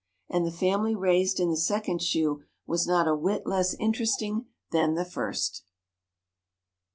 And the family raised in the second shoe was not a whit less interesting than the first.